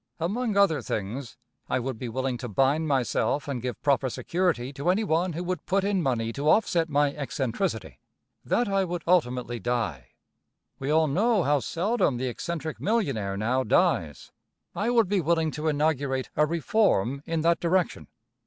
Among other things, I would be willing to bind myself and give proper security to any one who would put in money to offset my eccentricity, that I would ultimately die. We all know how seldom the eccentric millionaire now dies. I would be willing to inaugurate a reform in that direction.